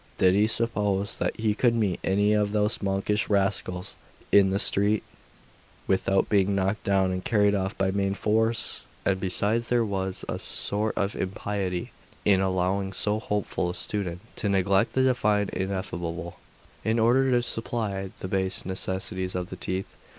Did he suppose that he could meet any of those monkish rascals in the street, without being knocked down and carried off by main force? And besides there was a sort of impiety in allowing so hopeful a student to neglect the 'Divine Ineffable' in order to supply the base necessities of the teeth.